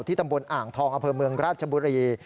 ตำบลอ่างทองอำเภอเมืองราชบุรี